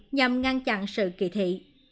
nhằm ngăn chặn sự kỳ thị